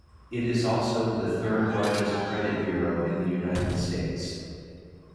It is also the third-largest credit bureau in the United States.